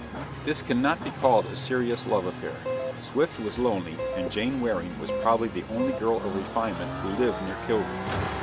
This cannot be called a serious love affair. Swift was lonely, and Jane Waring was probably the only girl of refinement who lived near Kilroot.